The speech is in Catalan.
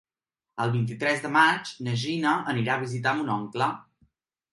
El vint-i-tres de maig na Gina anirà a visitar mon oncle.